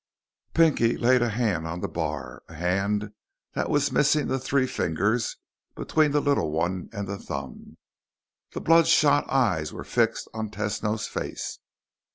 Pinky laid a hand on the bar, a hand that was missing the three fingers between the little one and the thumb. The bloodshot eyes were fixed on Tesno's face.